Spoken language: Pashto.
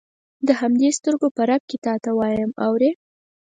د همدې سترګو په رپ کې تا ته وایم اورې.